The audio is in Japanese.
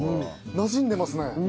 なじんでますね。